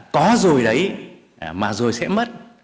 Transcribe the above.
có rồi đấy mà rồi sẽ mất